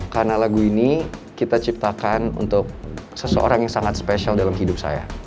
karena lagu ini kita ciptakan untuk seseorang yang sangat spesial dalam hidup saya